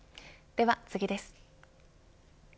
では次です。